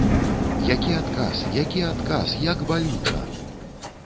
Які адказ, які адказ, як балюча!